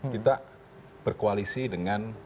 kita berkoalisi dengan